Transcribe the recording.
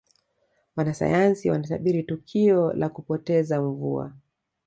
wanasayansi wanatabiri tukio la kupoteza mvua